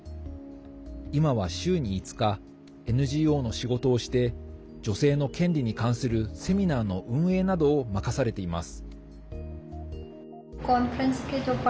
今は週に５日ＮＧＯの仕事をして女性の権利に関するセミナーの運営などを任されています。